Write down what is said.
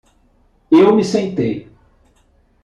Eu me sentei.